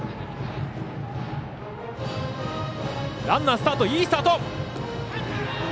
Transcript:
ランナースタート。